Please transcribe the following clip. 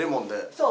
そう。